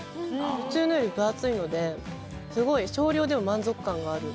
普通のより分厚いので少量でも満足感がある。